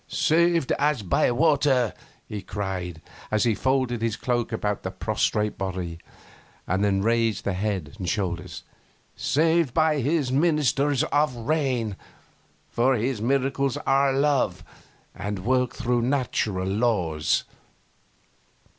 'Saved as by water,' he cried, as he folded his cloak about the prostrate body, and then raised the head and shoulders; 'saved by His ministers of rain. For His miracles are love, and work through natural laws.